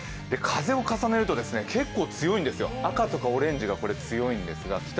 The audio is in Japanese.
風を重ねると結構強いんです、赤とかオレンジが強いんですけれども。